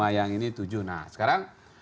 yang ini tujuh nah sekarang